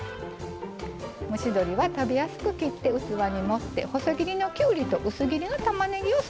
蒸し鶏は食べやすく切って器に盛って細切りのきゅうりと薄切りのたまねぎを添えましたよ。